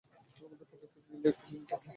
আমাদের পদক্ষেপ নিলে এখনই নিতে হবে।